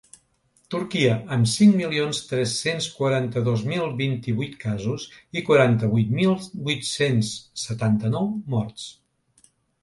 Turquia, amb cinc milions tres-cents quaranta-dos mil vint-i-vuit casos i quaranta-vuit mil vuit-cents setanta-nou morts.